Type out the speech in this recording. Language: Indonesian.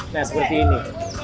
nah seperti ini